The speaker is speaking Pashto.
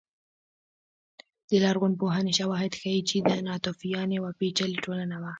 د لرغونپوهنې شواهد ښيي چې ناتوفیان یوه پېچلې ټولنه وه